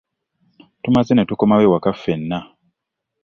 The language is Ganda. Tumaze ne tukomawo ewaka ffenna.